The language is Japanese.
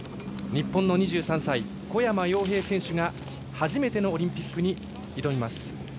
日本の２３歳、小山陽平選手が初めてのオリンピックに挑みます。